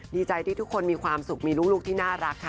ดีใจที่ทุกคนมีความสุขมีลูกที่น่ารักค่ะ